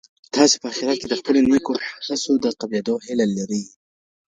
تاسي په اخیرت کي د خپلو نېکو هڅو د قبلېدو هیله لرئ.